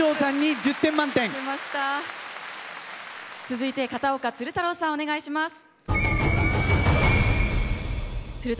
続いて片岡鶴太郎さんお願いします。